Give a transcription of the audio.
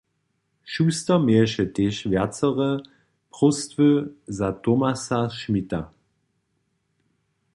Schuster měješe tež wjacore próstwy za Thomasa Schmidta.